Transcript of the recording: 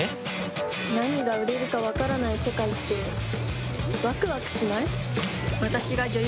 何が売れるか分からない世界ってワクワクしない？